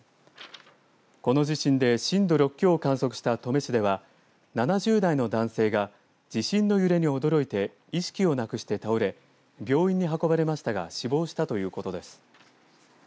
この地震で震度６強を観測した登米市では７０代の男性が地震の揺れに驚いて意識をなくして倒れ病院に運ばれましたが死亡したということです。